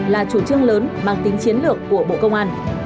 là chủ trương lớn mang tính chiến lược của bộ công an